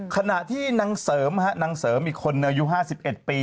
ขณะที่นางเสริมฮะนางเสริมอีกคนหนึ่งอายุ๕๑ปี